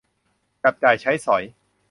จับจ่ายใช้สอย